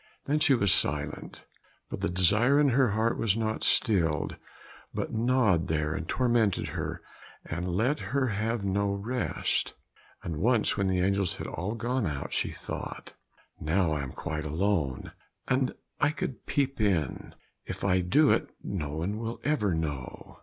Then she was silent, but the desire in her heart was not stilled, but gnawed there and tormented her, and let her have no rest. And once when the angels had all gone out, she thought, "Now I am quite alone, and I could peep in. If I do it, no one will ever know."